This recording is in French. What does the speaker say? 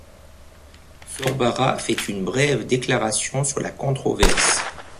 Sorbara fait une brève déclaration sur la controverse.